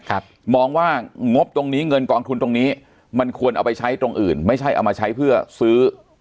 มองว่างบตรงนี้เงินกองทุนตรงนี้มันควรเอาไปใช้ตรงอื่นไม่ใช่เอามาใช้เพื่อซื้อ